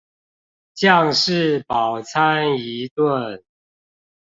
將士飽餐一頓